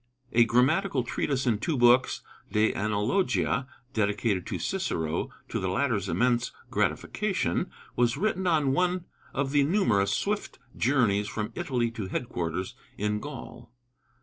A grammatical treatise in two books (De Analogia), dedicated to Cicero, to the latter's immense gratification, was written on one of the numerous swift journeys from Italy to headquarters in Gaul.